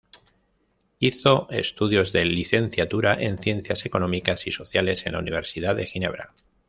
Hizo estudios de licenciatura en ciencias económicas y sociales en la universidad de Ginebra.